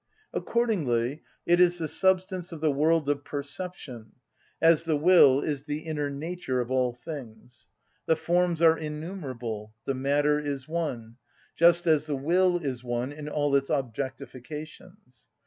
Accordingly it is the substance of the world of perception, as the will is the inner nature of all things. The forms are innumerable, the matter is one; just as the will is one in all its objectifications.